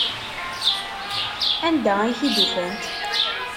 Anda ay t-id-ufant?